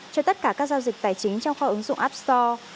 cho tất cả các giao dịch tài chính trong kho ứng dụng app store